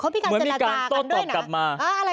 เหมือนมีการโต๊ะตอบกลับมา